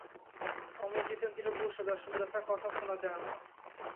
অমন জিতেন্দ্রিয় পুরুষের দর্শন দূরে থাক, কথাও শোনা যায় না।